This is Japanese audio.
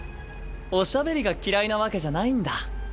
おしゃべりが嫌いなわけじゃないんだ。